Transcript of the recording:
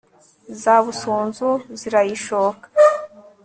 za busunzu zirayishoka